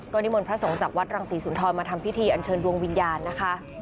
นิมนต์พระสงฆ์จากวัดรังศรีสุนทรมาทำพิธีอันเชิญดวงวิญญาณนะคะ